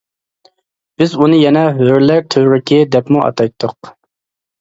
بىز ئۇنى يەنە «ھۆرلەر تۈۋرۈكى» دەپمۇ ئاتايتتۇق.